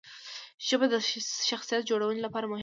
ژبه د شخصیت جوړونې لپاره مهمه ده.